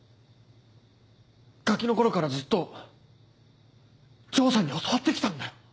ガキの頃からずっと丈さんに教わって来たんだ。